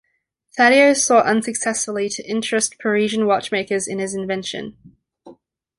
Fatio sought unsuccessfully to interest Parisian watchmakers in his invention.